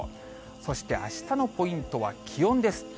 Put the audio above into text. そして、あしたのポイントは気温です。